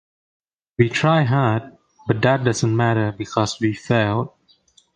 We tried hard, but that doesn't matter because we failed.